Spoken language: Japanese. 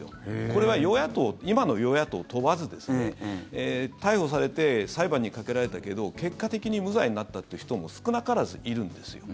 これは、今の与野党問わず逮捕されて裁判にかけられたけど結果的に無罪になったって人も少なからずいるんですよ。